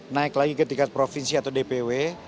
naik lagi ke tingkat provinsi atau dpw